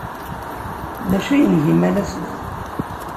D acu ay nga imalas-a?